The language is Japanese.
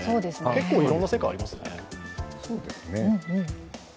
結構、いろんな世界がありますよね。